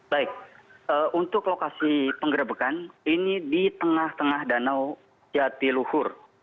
baik untuk lokasi penggerebekan ini di tengah tengah danau jatiluhur